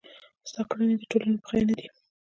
ستا کړني د ټولني په خير نه دي.